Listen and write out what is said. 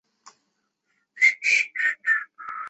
年轻地球创造论最早的根源来自犹太教。